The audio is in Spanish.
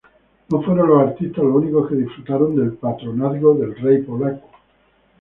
No fueron los artistas los únicos que disfrutaron del patronazgo del rey polaco.